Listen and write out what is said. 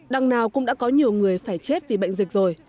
đằng nào cũng đã có nhiều người phải chết vì bệnh dịch rồi